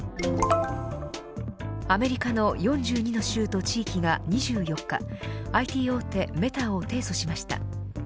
アメリカの４２の州と地域が２４日ＩＴ大手メタを提訴しました。